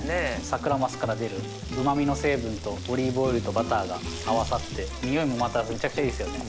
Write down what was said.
サクラマスから出るうま味の成分とオリーブオイルとバターが合わさって匂いもまためちゃくちゃいいですよね。